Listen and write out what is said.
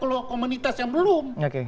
tapi masih ada komunitas yang belum